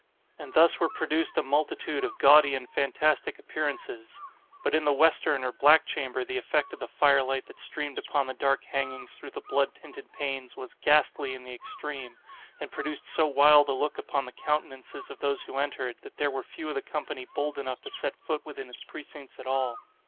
And thus were produced a multitude of gaudy and fantastic appearances. But in the western or black chamber the effect of the fire light that streamed upon the dark hangings through the blood tinted panes, was ghastly in the extreme, and produced so wild a look upon the countenances of those who entered, that there were few of the company bold enough to set foot within its precincts at all.